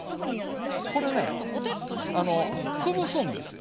これね潰すんですよ。